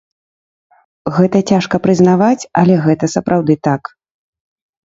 Гэта цяжка прызнаваць, але гэта сапраўды так.